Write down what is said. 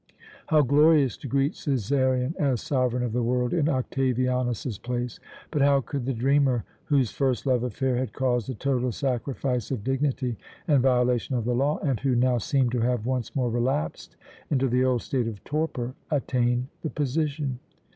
How glorious to greet Cæsarion as sovereign of the world in Octavianus's place! But how could the dreamer, whose first love affair had caused the total sacrifice of dignity and violation of the law, and who now seemed to have once more relapsed into the old state of torpor, attain the position?